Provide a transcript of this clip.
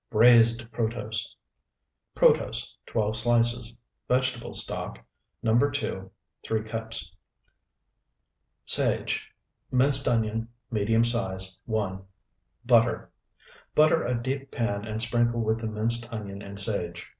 BRAIZED PROTOSE Protose, 12 slices. Vegetable stock, No. 2, 3 cups. Sage. Minced onion, medium size, 1. Butter. Butter a deep pan and sprinkle with the minced onion and sage.